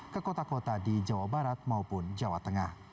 ke kota kota di jawa barat maupun jawa tengah